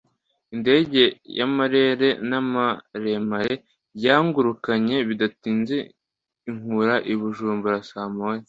indege y'amarere maremare yangurukanye bidatinze inkura i Bujumbura sa moya,